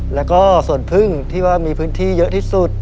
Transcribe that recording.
แล้วก็ส่วนพึ่งที่ว่ามีพื้นที่เยอะที่สุด